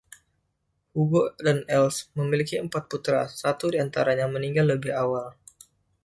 Hugo dan Else memiliki empat putra, satu di antaranya meninggal lebih awal.